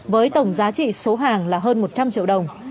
với tổng giá trị số hàng là hơn một trăm linh triệu đồng